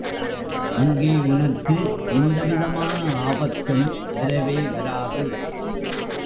அங்கே உனக்கு எந்த விதமான ஆபத்தும் வரவே வராது.